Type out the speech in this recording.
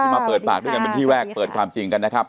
มาเปิดปากด้วยกันเป็นที่แรกเปิดความจริงกันนะครับ